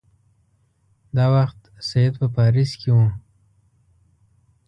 دا وخت سید په پاریس کې وو.